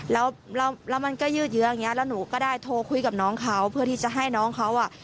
แล้วแล้วมันก็ยืดเยอะอย่างเงี้แล้วหนูก็ได้โทรคุยกับน้องเขาเพื่อที่จะให้น้องเขาอ่ะ